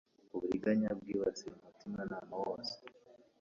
Uburiganya bwibasiye umutimanama wose